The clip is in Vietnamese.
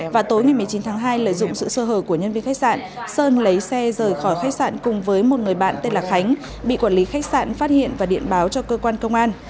vào tối ngày một mươi chín tháng hai lợi dụng sự sơ hở của nhân viên khách sạn sơn lấy xe rời khỏi khách sạn cùng với một người bạn tên là khánh bị quản lý khách sạn phát hiện và điện báo cho cơ quan công an